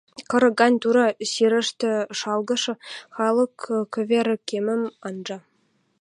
Кырык гань тура сирӹштӹ шалгышы халык кӹвер кемӹм анжа.